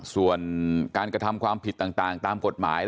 ส่วนการกระทำความผิดต่างตามกฎหมาย